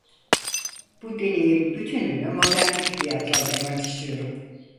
Bu deneyim bütününü modernlik diye adlandırmak istiyorum.